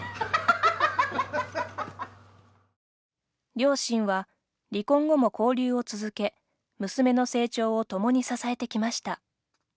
両親は、離婚後も交流を続け娘の成長を共に支えてきました。